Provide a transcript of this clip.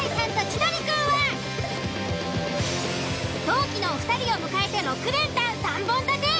同期のお二人を迎えて６連単３本立て。